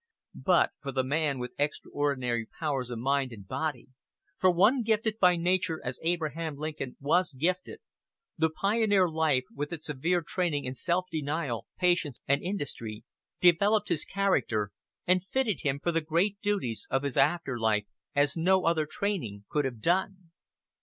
But for the man with extraordinary powers of mind and body for one gifted by Nature as Abraham Lincoln was gifted, the pioneer life with its severe training in self denial, patience and industry, developed his character, and fitted him for the great duties of his after life as no other training could have done.